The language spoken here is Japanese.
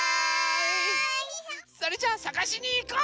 それじゃあさがしにいこう！